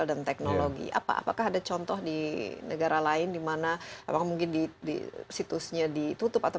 dan teknologi apa apakah ada contoh di negara lain dimana orang mungkin di situsnya ditutup atau